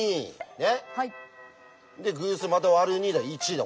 ねっ。で偶数また割る２だ１だ。